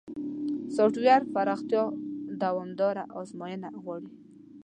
سافټویر پراختیا دوامداره ازموینه غواړي.